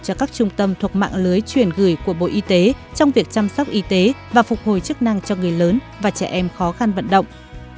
cho các trung tâm thuộc mạng lưới chuyển gửi của bộ y tế trong việc chăm sóc y tế và phục hồi chức năng cho người lớn và trẻ em khó khăn vận động